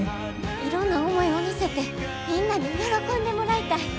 いろんな思いを乗せてみんなに喜んでもらいたい。